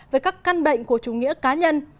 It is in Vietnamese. với các căn bệnh của chủ nghĩa cá nhân